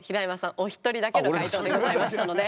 お一人だけの回答でございましたので。